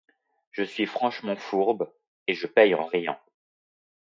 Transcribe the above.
Je suis franchement fourbe, et je paye en riant